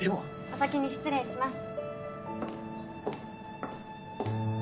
お先に失礼します。